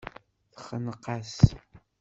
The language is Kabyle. Texneq-as.